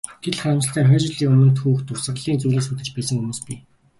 Гэтэл, харамсалтай нь хориод жилийн өмнө түүх дурсгалын зүйлийг сүйтгэж байсан хүмүүс бий.